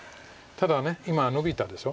ただ今ノビたでしょ。